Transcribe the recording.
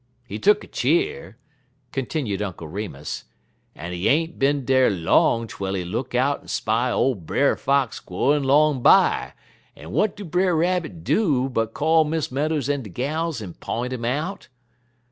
He tuck a cheer," continued Uncle Remus, "en he ain't bin dar long twel he look out en spy ole Brer Fox gwine 'long by, en w'at do Brer Rabbit do but call Miss Meadows en de gals en p'int 'im out?